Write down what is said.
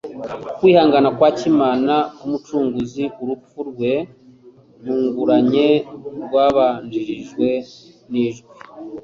Kwihangana kwa kimana k'Umucunguzi, urupfu rwe ntunguranye rwabanjirijwe n'ijwi